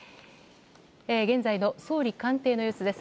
現在の総理官邸の様子です。